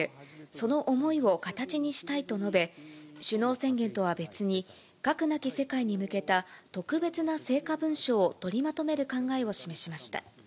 その思いを形にしたいと述べ、首脳宣言とは別に、核なき世界に向けた特別な成果文書を取りまとめる考えを示しました。